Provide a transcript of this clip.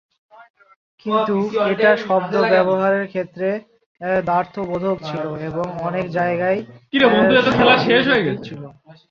কিন্তু, এটা শব্দ ব্যবহারের ক্ষেত্রে দ্ব্যর্থবোধক ছিল এবং অনেক জায়গায় স্ববিরোধী ছিল।